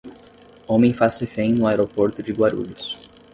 Homem faz refém no aeroporto de Guarulhos